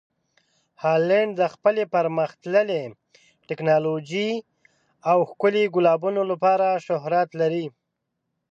هالنډ د خپلې پرمخ تللې ټکنالوژۍ او ښکلي ګلابونو لپاره شهرت لري.